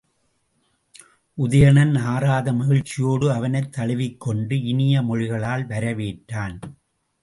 உதயணன் ஆறாத மகிழ்ச்சியோடு அவனைத் தழுவிக்கொண்டு இனிய மொழிகளால் வரவேற்றான்.